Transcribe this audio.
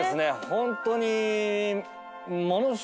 ホントに。